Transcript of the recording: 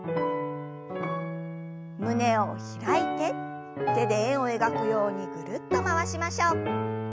胸を開いて手で円を描くようにぐるっと回しましょう。